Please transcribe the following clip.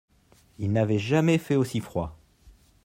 Il n'avait jamais fait aussi froid.